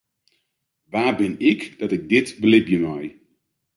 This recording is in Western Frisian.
Wa bin ik dat ik dit belibje mei?